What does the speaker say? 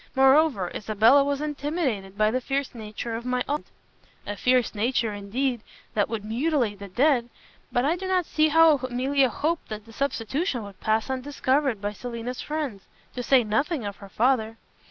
Moreover, Isabella was intimidated by the fierce nature of my aunt." "A fierce nature, indeed, that would mutilate the dead. But I do not see how Emilia hoped that the substitution would pass undiscovered by Selina's friends, to say nothing of her father."